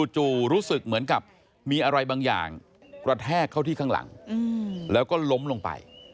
รู้สึกเหมือนกับมีอะไรบางอย่างกระแทกเข้าที่ข้างหลังแล้วก็ล้มลงไป